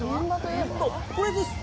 これです！